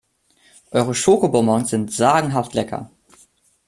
Eure Schoko-Bonbons sind sagenhaft lecker!